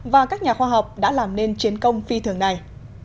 và các nhà khoa học đã làm nên chiến công phi thường này